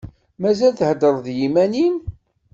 Mazal theddreḍ d yiman-im?